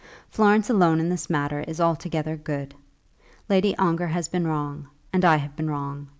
Florence alone in this matter is altogether good. Lady Ongar has been wrong, and I have been wrong.